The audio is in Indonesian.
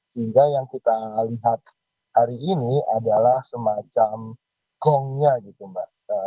sehingga yang kita lihat hari ini adalah semacam gongnya gitu mbak